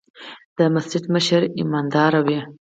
د مسجد مشر ايمانداره وي.